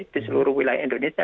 di seluruh wilayah indonesia